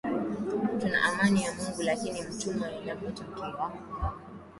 tuna amani ya mungu lakini mutwa inapotokea